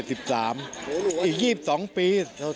๗๓อีก๒๒ปีเท่าสบาย